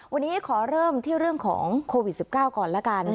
วันนี้ขอเริ่มที่เรื่องของโควิด๑๙ก่อนละกัน